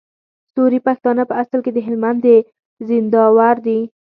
سوري پښتانه په اصل کي د هلمند د زينداور دي